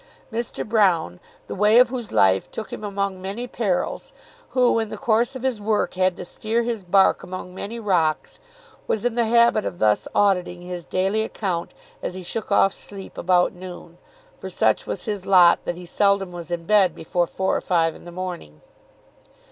Mr. Broune, the way of whose life took him among many perils, who in the course of his work had to steer his bark among many rocks, was in the habit of thus auditing his daily account as he shook off sleep about noon, for such was his lot, that he seldom was in bed before four or five in the morning.